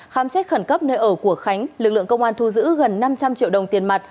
khám xét khẩn cấp nơi ở của khánh lực lượng công an thu giữ gần năm trăm linh triệu đồng tiền mặt